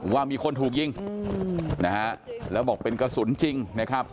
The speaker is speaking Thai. ว่ามีคนถูกยิงนะฮะแล้วบอกเป็นกระสุนจริงนะครับ